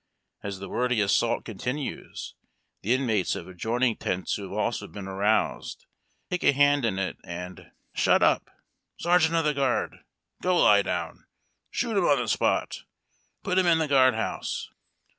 As the wordy assault continues the inmates of adjoining tents who have also been aroused take a hand in it, and '' Shut up !"—" Sergeant of the Guard :"—" Go lie down !"—" Shoot him on the spot !"—" Put him in the guard house